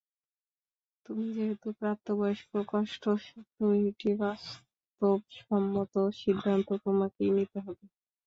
তুমি যেহেতু প্রাপ্তবয়স্ক, কষ্ট সত্ত্বেও একটি বাস্তবসম্মত সিদ্ধান্ত তোমাকেই নিতে হবে।